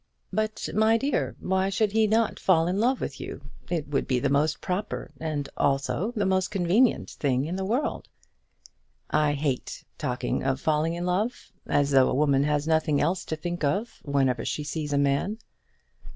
"But, my dear, why should not he fall in love with you? It would be the most proper, and also the most convenient thing in the world." "I hate talking of falling in love; as though a woman has nothing else to think of whenever she sees a man."